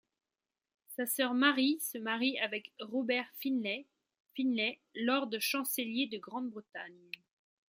Sa sœur Mary se marie avec Robert Finlay, Finlay, Lord Chancelier de Grande-Bretagne.